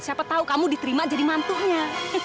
siapa tau kamu diterima jadi mantuhnya